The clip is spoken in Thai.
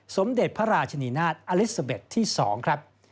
สมเด็จพระราชนีนาฏอลิซาเบ็ดที่๒ครับ